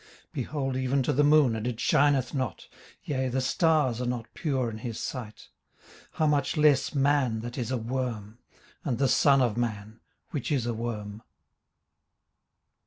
18:025:005 Behold even to the moon, and it shineth not; yea, the stars are not pure in his sight. 18:025:006 How much less man, that is a worm? and the son of man, which is a worm?